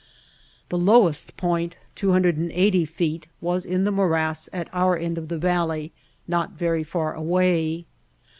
The lowest point, 280 feet, was in the morass at our end of the valley not very far away.